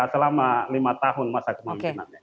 selama lima tahun masa kemampinannya